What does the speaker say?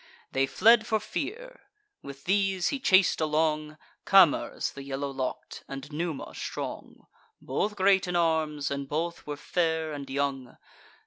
They fled for fear; with these, he chas'd along Camers the yellow lock'd, and Numa strong; Both great in arms, and both were fair and young.